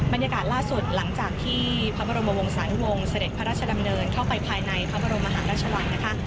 บรรยากาศล่าสุดหลังจากที่พระบรมวงศาลวงศ์เสด็จพระราชดำเนินเข้าไปภายในพระบรมมหาราชวังนะคะ